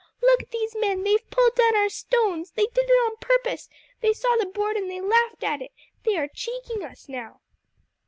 "Look at these men, they've pulled down our stones! They did it on purpose! They saw the board and they laughed at it. They are cheeking us now."